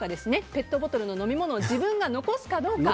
ペットボトルの飲み物を自分が残すかどうか。